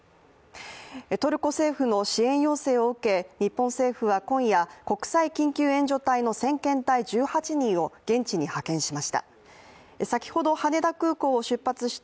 トルコ政府の支援要請を受け、日本政府は今夜国際緊急援助隊の先遣隊１８人を現地に派遣しました。